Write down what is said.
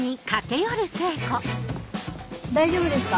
大丈夫ですか？